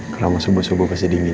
kalau mau subuh subuh pasti dingin